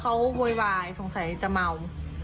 เขาโวยวายสงสัยจะเมา